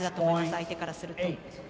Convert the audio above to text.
相手からすると。